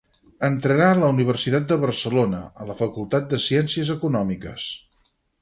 Entrarà a la Universitat de Barcelona, a la Facultat de Ciències Econòmiques.